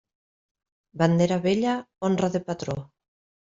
Bandera vella, honra de patró.